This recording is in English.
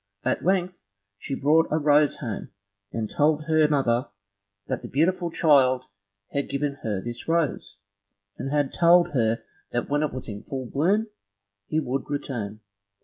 At length she brought a rose home, and told her mother that the beautiful child had given her this rose, and had told her that when it was in full bloom, he would return.